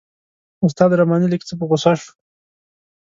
استاد رباني لږ څه په غوسه شو.